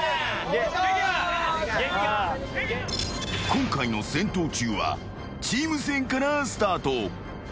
［今回の『戦闘中』はチーム戦からスタート］